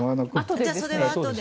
じゃあそれはあとで。